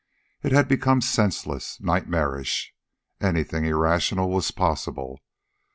It had become senseless, nightmarish. Anything irrational was possible.